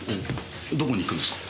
どこに行くんですか？